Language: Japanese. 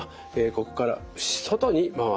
ここから外に回す。